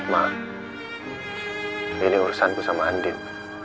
mak ini urusanku sama andin